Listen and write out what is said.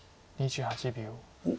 ２８秒。